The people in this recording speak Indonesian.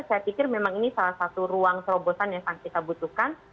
saya pikir memang ini salah satu ruang terobosan yang sangat kita butuhkan